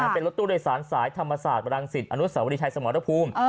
เป็นรถตู้โดยสารสายธรรมศาสตร์บรังสิตอนุสาวรีชัยสมรภูมิ